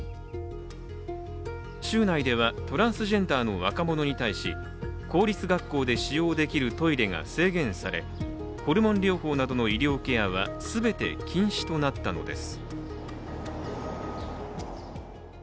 州内では、トランスジェンダーの若者に対し公立学校で使用できるトイレが制限され、ホルモン療法などの医療ケアは全て禁止となったのです。